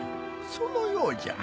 そのようじゃ。